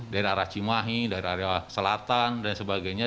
dari arah cimahi dari area selatan dan sebagainya